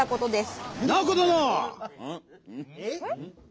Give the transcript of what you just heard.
えっ？